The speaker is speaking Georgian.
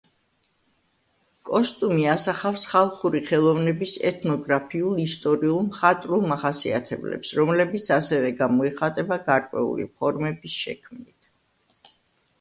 კოსტუმი ასახავს ხალხური ხელოვნების ეთნოგრაფიულ, ისტორიულ, მხატვრულ მახასიათებლებს, რომლებიც ასევე გამოიხატება გარკვეული ფორმების შექმნით.